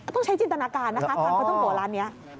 ต้องใช้จินตนาการนะคะพลาต้องโกะร้านนี้